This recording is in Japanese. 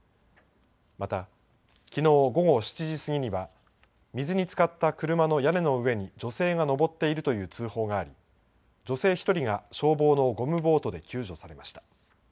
また、きのう午後７時過ぎには、水につかった車の屋根の上に女性が登っているという通報があり、女性１人が消防のゴムボートで救助されました。